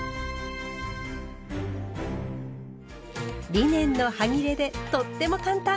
リネンのはぎれでとっても簡単！